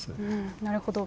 なるほど。